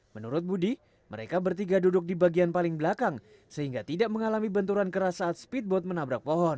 menurut budi mereka bertiga duduk di bagian paling belakang sehingga tidak mengalami benturan keras saat speedboat menabrak pohon